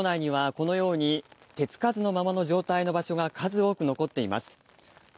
城内にはこのように手つかずのままの状態の場所が数多く残っています。